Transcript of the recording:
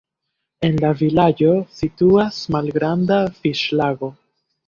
En la vilaĝo situas malgranda fiŝlago.